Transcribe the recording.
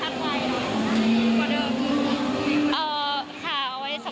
ขอบคุณค่ะ